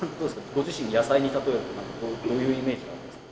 ご自身野菜に例えるとどういうイメージがありますか？